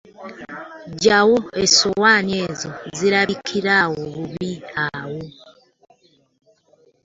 Jjawo essowaani ezo zirabikirawo bubi awo.